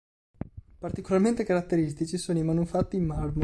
Particolarmente caratteristici sono i manufatti in marmo.